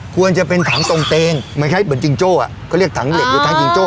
ควรจะเป็นถังตรงเตงมันคล้ายเหมือนจิงโจ้อ่ะก็เรียกถังเหล็กหรือถังจิงโจ